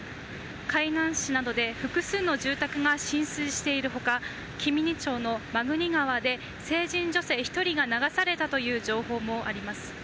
海南市などで複数の住宅が浸水しているほか、紀美野町の真国川で成人女性１人が流されたという情報もあります。